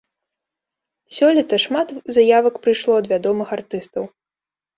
Сёлета шмат заявак прыйшло ад вядомых артыстаў.